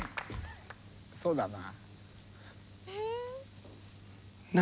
そうだな。